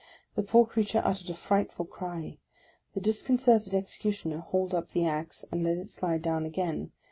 The poor creature uttered a frightful cry. The disconcerted Executioner hauled up the axe, and let it slide down again.